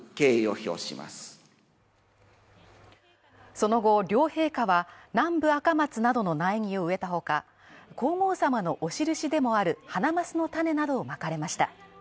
その後、両陛下は南部アカマツなどの苗木を植えたほか、皇后さまのお印でもある、ハマナスの種などをまかれました。